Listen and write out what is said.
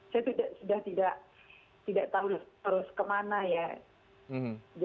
sebagai rasa putus asa saya